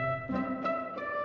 arai dulu lagi